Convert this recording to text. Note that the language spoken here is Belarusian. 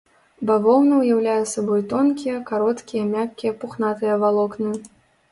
Бавоўна ўяўляе сабой тонкія, кароткія, мяккія пухнатыя валокны.